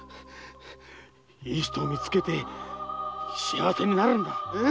いい人を見つけて幸せになるんだ。